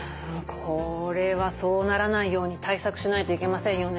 これはそうならないように対策しないといけませんよね。